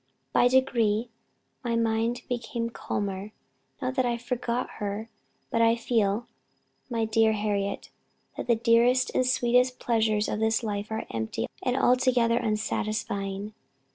By degrees my mind became calmer; not that I forgot her, but I feel, my dear Harriet, that the dearest and sweetest pleasures of this life are empty and altogether unsatisfying.